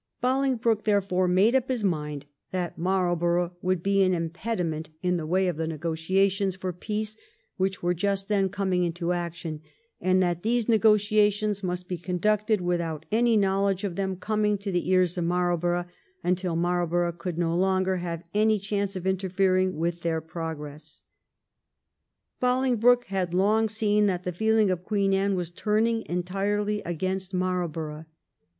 74 THE REIGN OF QUEEN ANNE. ch. xxiv. Bolingbroke, therefore, made up his mind that Marl borough would be an impediment in the way of the negotiations for peace which were just then coming into action, and that these negotiations must be conducted without any knowledge of them coming to the ears of Marlborough, until Marlborough could no longer have any chance of interfering with their progress. Bolingbroke had long seen that the feeling of Queen Anne was turning entirely against Marl borough.